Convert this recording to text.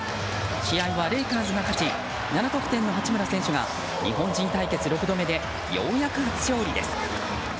試合はレイカーズが勝ち７得点の八村選手が日本人対決６度目でようやく初勝利です。